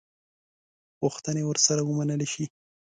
غوښتني ورسره ومنلي شي.